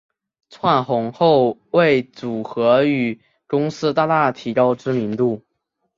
窜红后为组合与公司大大提高知名度。